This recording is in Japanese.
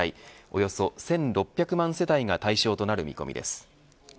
およそ１６００万世帯が対象となる見込みです。